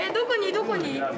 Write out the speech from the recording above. どこに？